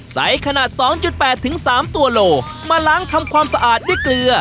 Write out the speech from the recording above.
ใสขนาดสองจุดแปดถึงสามตัวโหลมาล้างทำความสะอาดด้วยเกลือ